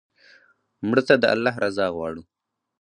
مړه ته د الله رضا غواړو